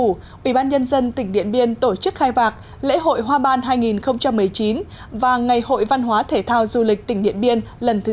ủy ban nhân dân tỉnh điện biên tổ chức khai mạc lễ hội hoa ban hai nghìn một mươi chín và ngày hội văn hóa thể thao du lịch tỉnh điện biên lần thứ sáu